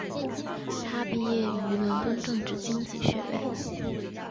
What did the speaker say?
他毕业于伦敦政治经济学院。